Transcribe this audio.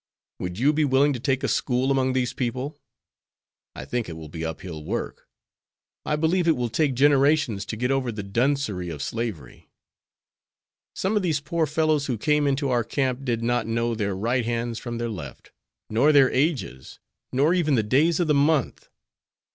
Would you be willing to take a school among these people? I think it will be uphill work. I believe it will take generations to get over the duncery of slavery. Some of these poor fellows who came into our camp did not know their right hands from their left, nor their ages, nor even the days of the month.